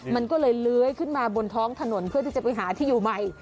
มันก็เลยเลื้อยขึ้นมาบนท้องถนนเพื่อที่จะไปหาที่อยู่ใหม่